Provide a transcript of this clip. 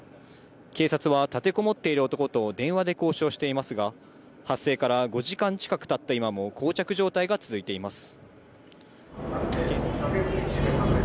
警察は立てこもっている男と電話で交渉していますが、発生から５時間近くたった今もこう着状態が続いています。